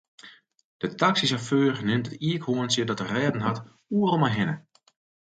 De taksysjauffeur nimt it iikhoarntsje dat er rêden hat oeral mei hinne.